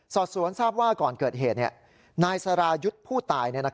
สอบสวนทราบว่าก่อนเกิดเหตุนายสรายุทธ์ผู้ตาย